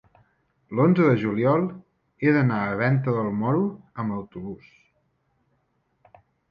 L'onze de juliol he d'anar a Venta del Moro amb autobús.